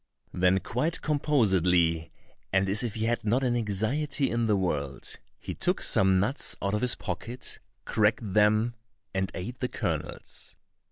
Then quite composedly, and as if he had not an anxiety in the world, he took some nuts out of his pocket, cracked them, and ate the kernels.